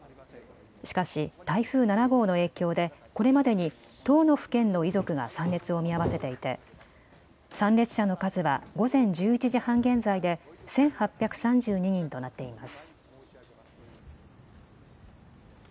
しかし台風７号の影響でこれまでに１０の府県の遺族が参列を見合わせていて参列者の数は午前１１時半現在で１８３２人となっています。